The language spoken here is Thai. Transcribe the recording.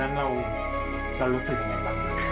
เพราะฉะนั้นเรารู้สึกยังไงบ้าง